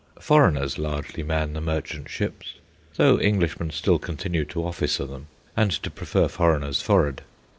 Foreigners largely man the merchant ships, though Englishmen still continue to officer them and to prefer foreigners for'ard.